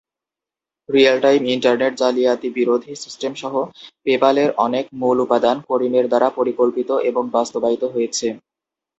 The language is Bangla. রিয়েল-টাইম ইন্টারনেট জালিয়াতি বিরোধী সিস্টেম সহ পেপ্যাল এর অনেক মূল উপাদান করিমের দ্বারা পরিকল্পিত এবং বাস্তবায়িত হয়েছে।